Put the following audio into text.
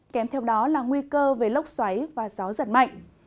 kèm theo đó là nguy cơ về lốc xoáy và gió giật mạnh